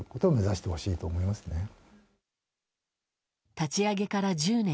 立ち上げから１０年。